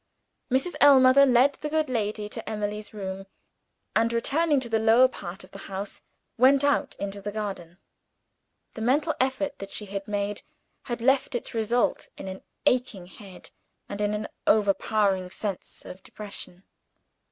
Mrs. Ellmother led the good lady to Emily's room and, returning to the lower part of the house, went out into the garden. The mental effort that she had made had left its result in an aching head, and in an overpowering sense of depression.